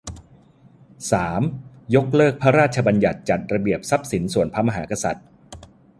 สาม ยกเลิก พระราชบัญญัติจัดระเบียบทรัพย์สินส่วนพระมหากษัตริย์